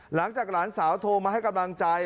หลังจากหลานสาวโทรมาให้กำลังจ่าย